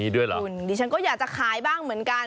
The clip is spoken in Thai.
ดิฉันก็อยากจะขายบ้างเหมือนกัน